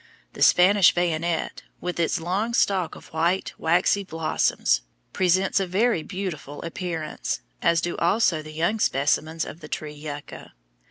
The Spanish bayonet, with its long stalk of white, waxy blossoms, presents a very beautiful appearance, as do also the young specimens of the tree yucca.